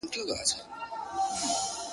پر اوږو يې كړ پوستين پسي روان سو -